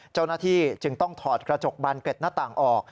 เจ้าหน้าที่จึงต้องถอดกระจกบานเกร็ดหน้าต่างออก